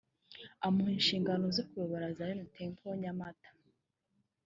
amuha inshingano zo kuyobora Zion Temple Nyamata